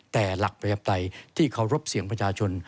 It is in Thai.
แต่หลักประชาปไตยที่เคารพเสียงประชาชน